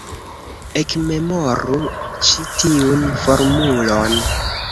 Ekmemoru ĉi tiun formulon.